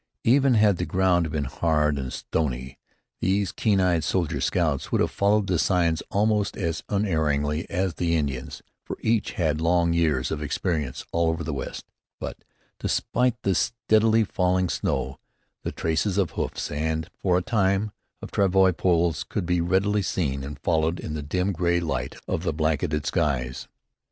Even had the ground been hard and stony these keen eyed soldier scouts could have followed the signs almost as unerringly as the Indians, for each had had long years of experience all over the West; but, despite the steadily falling snow, the traces of hoofs and, for a time, of travois poles could be readily seen and followed in the dim gray light of the blanketed skies.